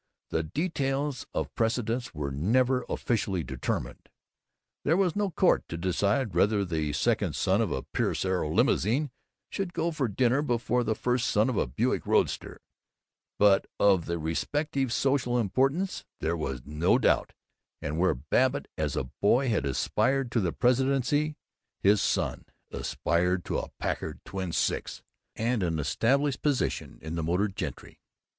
The details of precedence were never officially determined. There was no court to decide whether the second son of a Pierce Arrow limousine should go in to dinner before the first son of a Buick roadster, but of their respective social importance there was no doubt; and where Babbitt as a boy had aspired to the presidency, his son Ted aspired to a Packard twin six and an established position in the motored gentry.